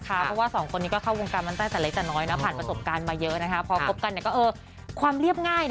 เพราะว่าสองคนนี้ก็เข้าวงการมัฏตันสักเล็กน้อย